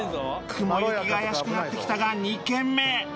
雲行きが怪しくなってきたが２軒目へ